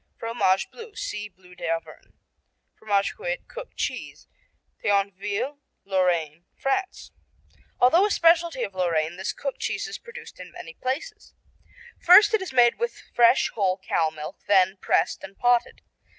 Fromage Bleu see Bleu d'Auvergne. Fromage Cuit (cooked cheese) Thionville, Lorraine, France Although a specialty of Lorraine, this cooked cheese is produced in many places. First it is made with fresh whole cow milk, then pressed and potted.